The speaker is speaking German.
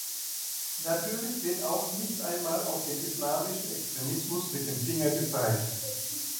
Natürlich wird auch nicht einmal auf den islamistischen Extremismus mit dem Finger gezeigt.